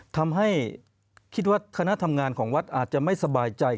ทำให้คิดว่าคณะทำงานของวัดอาจจะไม่สบายใจ